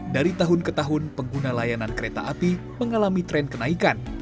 dari tahun ke tahun pengguna layanan kereta api mengalami tren kenaikan